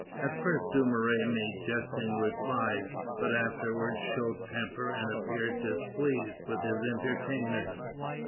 At first Dumouriez made jesting replies, but afterwards showed temper and appeared displeased with his entertainers.